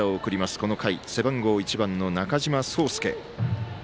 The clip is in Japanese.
この回、背番号１番の中嶋宗助。